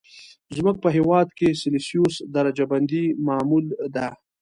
زموږ په هېواد کې سلسیوس درجه بندي معمول ده.